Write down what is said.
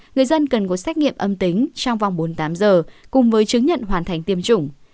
người dân cần có xét nghiệm âm tính trong vòng bốn mươi tám giờ cùng với chứng nhận hoàn thành tiêm chủng